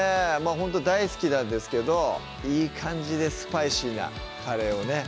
ほんと大好きなんですけどいい感じでスパイシーなカレーをね